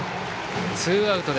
ツーアウト。